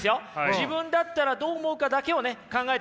自分だったらどう思うかだけをね考えてください。